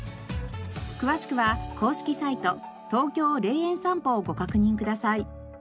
詳しくは公式サイト「ＴＯＫＹＯ霊園さんぽ」をご確認ください。